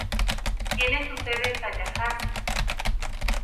Tiene su sede en Tallahassee.